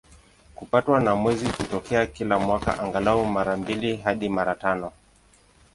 Kupatwa kwa Mwezi hutokea kila mwaka, angalau mara mbili hadi mara tano.